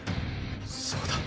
そうだ。